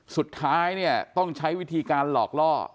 สุดท้ายเนี่ยต้องใช้วิธีการหลอกล่อ